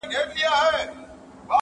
د موږک پر کور مېلمه د غم مرګی سو,